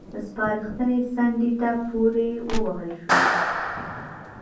سپارښتنې څنډې ته پورې ووهل شوې.